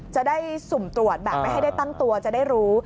จะได้สุ่มตรวจแบบให้ได้ตั้งตัวจะได้รู้